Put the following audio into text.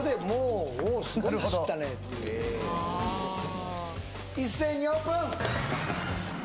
はい一斉にオープン